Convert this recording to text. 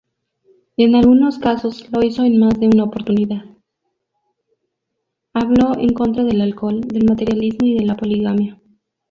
Habló en contra del alcohol, del materialismo y de la poligamia.